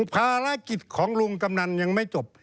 ภารกิจของลุงกำนันยังไม่จบ